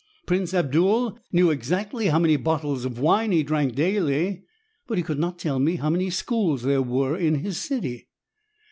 Prince Abdul knew exactly how many bottles of wine he drank daily, but he could not tell me how many schools there were in his city.